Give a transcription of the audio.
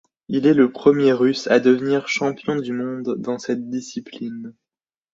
Il est le premier russe à devenir champion du monde dans cette discipline.